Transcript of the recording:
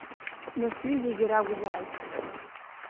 Нас ҩыџьегьы ракәзааит.